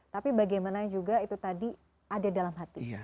tapi bagaimana juga itu tadi ada dalam hati